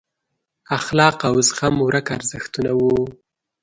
اخلاق او زغم ورک ارزښتونه وو.